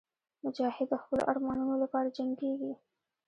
مجاهد د خپلو ارمانونو لپاره جنګېږي.